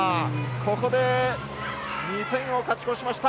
ここで２点を勝ち越しました。